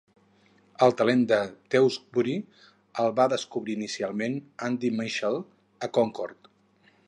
El talent de Tewksbury el va descobrir inicialment Andy Michael a Concord.